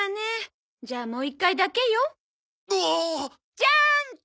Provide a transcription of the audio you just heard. じゃんけん。